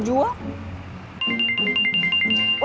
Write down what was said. punya tempat mau jual